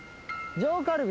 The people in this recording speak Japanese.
上カルビ。